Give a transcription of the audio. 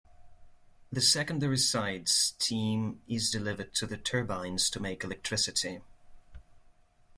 The secondary-side steam is delivered to the turbines to make electricity.